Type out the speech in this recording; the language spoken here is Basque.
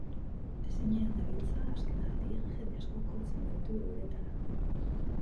Ezinean dabiltza azken aldian, jende askok jotzen baitu euretara.